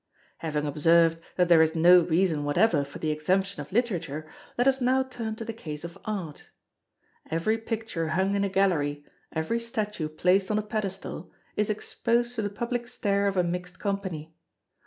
Having observed that there is no reason whatever for the exemption of Literature, let us now turn to the case of Art. Every picture hung in a gallery, every statue placed on a pedestal, is exposed to the public stare of a mixed company.